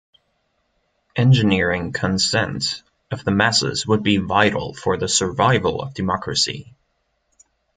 "Engineering consent" of the masses would be vital for the survival of democracy.